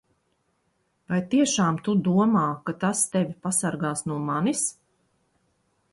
Vai tiešām tu domā, ka tas tevi pasargās no manis?